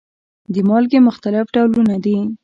د مالګې مختلف ډولونه دي.